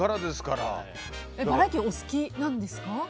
バラエティーお好きなんですか？